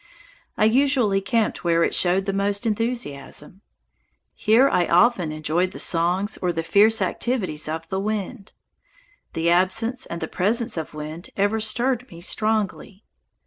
I usually camped where it showed the most enthusiasm. Here I often enjoyed the songs or the fierce activities of the wind. The absence and the presence of wind ever stirred me strongly.